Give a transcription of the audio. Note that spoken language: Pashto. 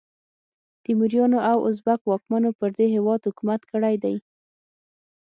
تیموریانو او ازبک واکمنو پر دې هیواد حکومت کړی دی.